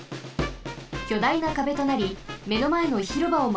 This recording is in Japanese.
きょだいなかべとなりめのまえのひろばをまもります。